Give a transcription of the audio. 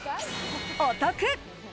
お得！